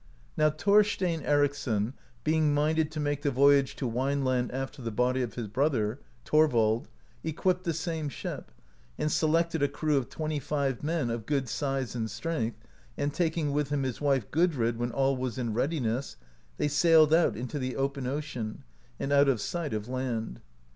Now Thorstein Ericsson, being minded to make the vo)rage to Wineland after the body of his brother, Thorvald, equipped the same ship, and selected a crew of twenty five men of good size and strength, and taking with him his wife, Gudrid, when all was in readiness, they sailed out into the open ocean, and out of sight of land.